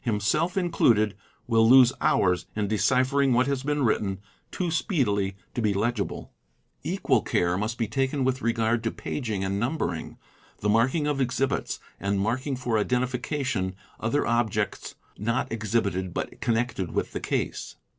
himself included, will lose hours in deciphering what has been writter too speedily to be legible. |= ACCURACY IN DETAILS 49 Equal care must be taken with regard to paging and numbering, the marking of exhibits, and marking for identification other objects not exhibited but connected with the case.